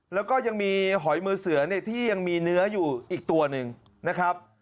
แล้วก็ยังมีหอยมือเสือเนี่ยที่ยังมีเนื้ออยู่อีกตัวหนึ่งนะครับ